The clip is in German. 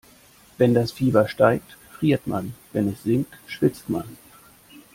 Wenn das Fieber steigt, friert man, wenn es sinkt, schwitzt man.